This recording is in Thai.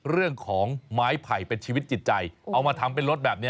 เรื่องของไม้ไผ่เป็นชีวิตจิตใจเอามาทำเป็นรถแบบนี้